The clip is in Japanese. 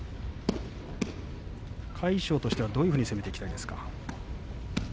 魁勝としてはどう攻めていきたいですか。